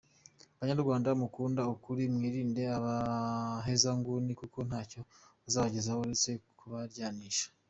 Banyarwanda mukunda ukuri, mwirinde abahezanguni kuko ntacyo bazabagezaho uretse kubaryanisha.